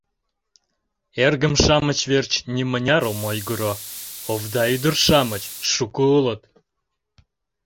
Эргым-шамыч верч нимыняр ом ойгыро — овда ӱдыр-шамыч шуко улыт.